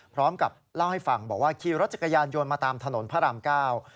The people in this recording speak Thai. พร้อมกับเล่าให้ฟังบอกว่าขี่รถจักรยานยนต์มาตามถนนพระรามเก้า